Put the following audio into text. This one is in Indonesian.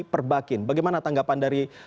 perbakin bagaimana tanggapan dari